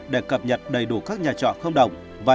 để cập nhật đầy đủ các nhà trọ không động